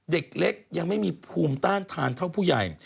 เด็กเล็กยังไม่มีภูมิต้านทานเท่าผู้ใหญ่